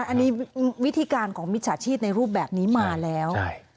อันนี้วิธีการของมิจฉาชีพในรูปแบบนี้มาแล้ว